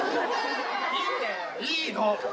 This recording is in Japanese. いいんだよいいの！